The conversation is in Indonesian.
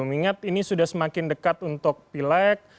mengingat ini sudah semakin dekat untuk pileg